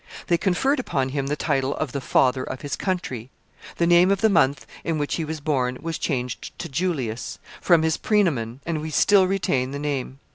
They conferred upon him the title of the Father of his Country. The name of the month in which he was born was changed to Julius, from his praenomen, and we still retain the name.